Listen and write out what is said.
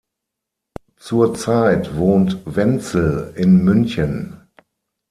Zurzeit wohnt Wenzl in München.